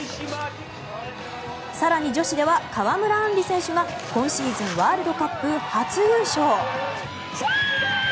更に、女子では川村あんり選手が今シーズンワールドカップ初優勝。